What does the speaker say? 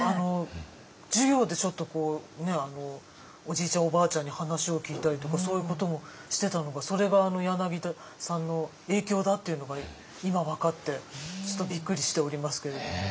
授業でちょっとこうおじいちゃんおばあちゃんに話を聞いたりとかそういうこともしてたのがそれが柳田さんの影響だっていうのが今分かってちょっとびっくりしておりますけれど。